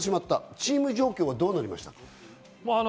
チーム状況はどうなりました？